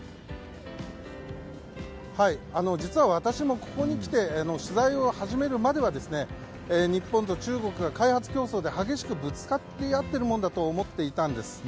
実は私もここに来て取材を始めるまでは日本と中国が開発競争で激しくぶつかっているものだと思っていたんです。